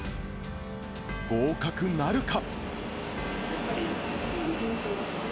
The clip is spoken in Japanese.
合格なるか。